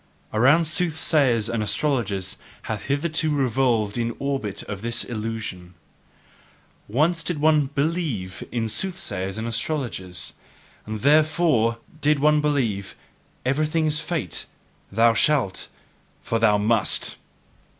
Around soothsayers and astrologers hath hitherto revolved the orbit of this illusion. Once did one BELIEVE in soothsayers and astrologers; and THEREFORE did one believe, "Everything is fate: thou shalt, for thou must!"